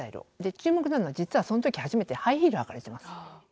注目なのは、実はそのとき初めてハイヒールを履かれてます。